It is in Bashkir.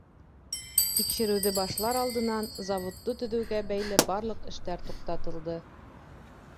— Тикшереүҙе башлар алдынан заводты төҙөүгә бәйле барлыҡ эштәр туҡтатылды.